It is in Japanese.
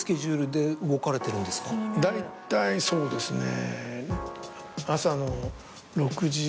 大体そうですね。